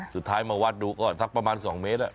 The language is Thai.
สุดท้ายมาวัดดูก็สักประมาณ๒เมตร